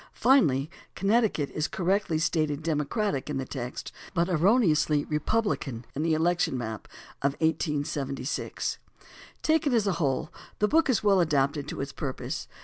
Finally, Connecticut is correctly stated Democratic in the text, but erroneously Republican in the Election Map of 1876 (p. 447). Taken as a whole, the book is well adapted to its purpose.